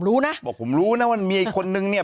รู้นะบอกผมรู้นะว่ามีคนนึงเนี่ย